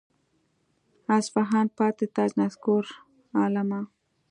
اصفهان پاتې تاج نسکور عالمه.